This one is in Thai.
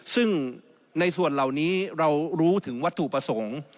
ซึ่งในส่วนเหล่านี้เรารู้ถึงวัตถุประสงค์